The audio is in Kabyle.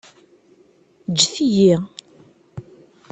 Ǧǧet-iyi!